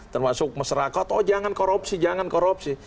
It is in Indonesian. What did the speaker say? termasuk masyarakat oh jangan korupsi jangan korupsi